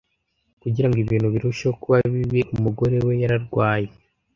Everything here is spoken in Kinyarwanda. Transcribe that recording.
Kugira ngo ibintu birusheho kuba bibi, umugore we yararwaye.